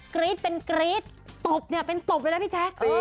รี๊ดเป็นกรี๊ดตบเนี่ยเป็นตบเลยนะพี่แจ๊ค